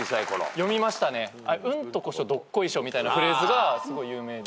「うんとこしょどっこいしょ」みたいなフレーズがすごい有名で。